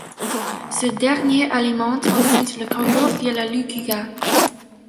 Ce dernier alimente ensuite le Congo via la Lukuga.